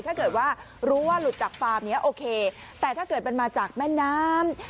ถ้าเกิดว่ารู้ว่าหลุดจากความเนี้ยเอาแล้วน้ำมามาจากลำคลองนึกออกไหมคะ